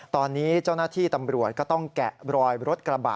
ตอนนี้เจ้าหน้าที่ตำรวจก็ต้องแกะรอยรถกระบะ